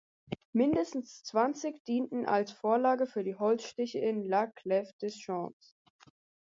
Mindestens zwanzig dienten als Vorlage für die Holzstiche in "La Clef des champs".